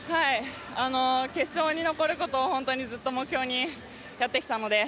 決勝に残ることをずっと目標にやってきたので。